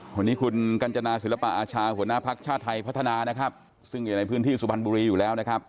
วันนี้คุณกัญจนาศิลปะอาชาหัวหน้าภักดิ์ชาติไทยพัฒนานะครับซึ่งอยู่ในพื้นที่สุพรรณบุรีอยู่แล้วนะครับ